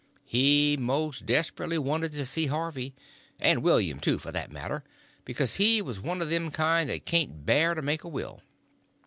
He most desperately wanted to see Harvey—and William, too, for that matter—because he was one of them kind that can't bear to make a will.